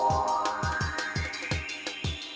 contohnya adalah beras uit